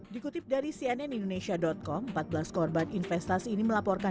dikutip dari cnn indonesia com empat belas korban investasi ini melaporkan